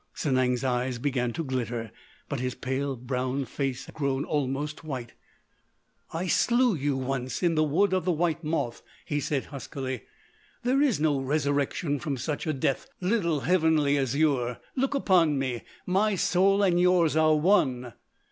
Sanang's eyes began to glitter but his pale brown face had grown almost white. "I slew you once—in the Wood of the White Moth," he said huskily. "There is no resurrection from such a death, little Heavenly Azure. Look upon me! My soul and yours are one!"